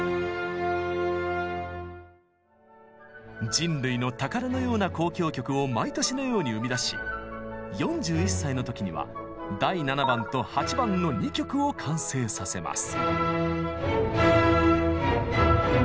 人類の宝のような交響曲を毎年のように生み出し４１歳の時には「第７番」と「８番」の２曲を完成させます。